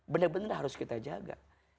benar benar harus kita jaga